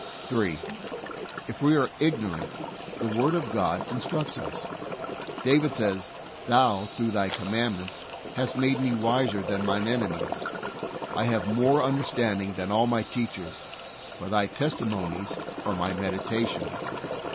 3. If we are ignorant, the Word of God instructs us. David says, "Thou through Thy commandments hast made me wiser than my enemies. I have more understand ing than all my teachers; for Thy testimon ies are my meditation.